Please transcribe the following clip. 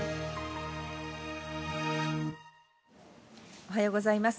おはようございます。